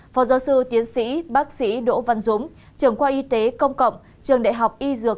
phó giáo sư tiến sĩ bác sĩ đỗ văn dũng trưởng khoa y tế công cộng trường đại học y dược